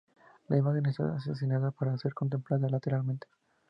La imagen está concebida para ser contemplada lateralmente.